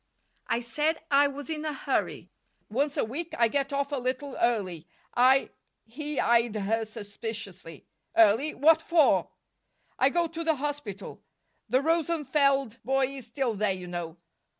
"I said I was in a hurry. Once a week I get off a little early. I " He eyed her suspiciously. "Early! What for?" "I go to the hospital. The Rosenfeld boy is still there, you know."